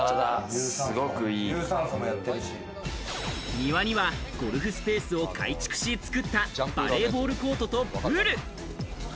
庭にはゴルフスペースを改築し作ったバレーボールコートとプール。